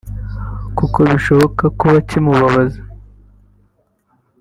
kuko ngo gishobora kuba kimubabaza